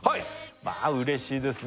まぁうれしいですね